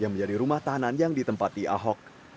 yang menjadi rumah tahanan yang ditempati ahok